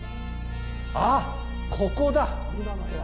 あっ、ここだ！